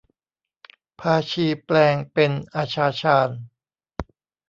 พาชีแปลงเป็นอาชาชาญ